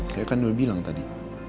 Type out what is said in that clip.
saya kan udah bilang tadi